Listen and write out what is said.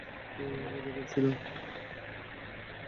মজা করছি না।